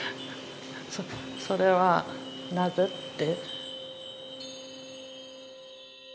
それはなぜ？って。